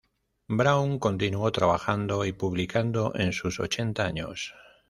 Braun continuó trabajando y publicando en sus ochenta años.